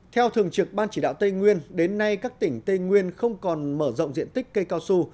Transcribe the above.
theo thường trực ban chỉ đạo tây nguyên đến nay các tỉnh tây nguyên không còn mở rộng diện tích cây cao su